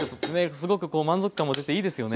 すごくこう満足感も出ていいですよね。